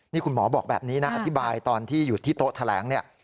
นี่คุณหมอบอกแบบนี้นะอธิบายตอนที่อยู่ที่โต๊ะแถลงเนี่ย